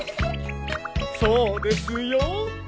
そうですよ。